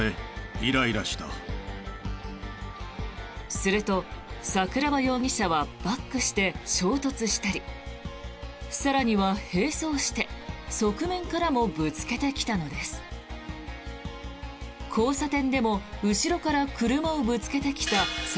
すると、桜庭容疑者はバックして衝突したり更には並走して側面からもぶつけてきたのです。